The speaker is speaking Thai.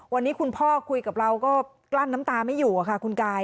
วันนี้คุณพ่อคุยกับเราก็กลั้นน้ำตาไม่อยู่ค่ะคุณกาย